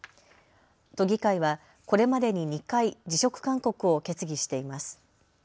都議会はこれまでに２回、辞職勧告を決議しています。